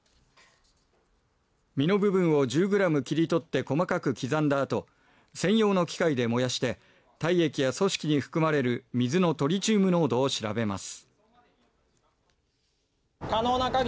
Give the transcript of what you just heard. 身の部分を１０ｇ切り取って細かく刻んだあと専用の機械で燃やして体液や組織に含まれる水のトリチウム濃度を調べます。